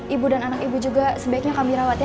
ibu dan anak ibu juga sebaiknya kami rawat ya